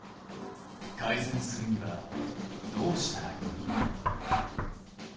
改善するにはどうしたらよい？